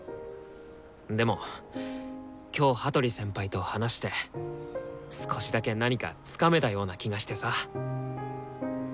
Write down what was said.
でも今日羽鳥先輩と話して少しだけ何かつかめたような気がしてさ。